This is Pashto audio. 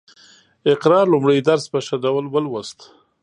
اقرا لومړی درس په ښه ډول ولوست